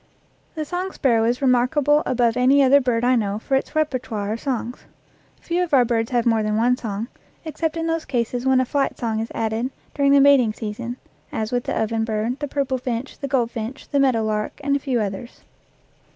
The song sparrow is remarkable above any other bird I know for its repertoire of songs. Few of our birds have more than one song, except in those cases when a flight song is added during the mating sea son, as with the oven bird, the purple finch, the goldfinch, the meadowlark, and a few others.